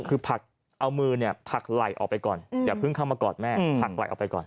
คือผักเอามือเนี่ยผักไหล่ออกไปก่อนอย่าเพิ่งเข้ามากอดแม่ผักไหล่ออกไปก่อน